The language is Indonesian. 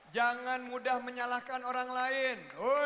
jangan mudah menyalahkan orang lain